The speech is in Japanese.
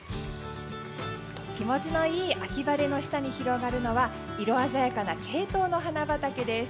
気持ちのいい秋晴れの下に広がるのは色鮮やかなケイトウの花畑です。